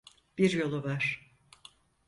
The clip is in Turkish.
Bir yolu var.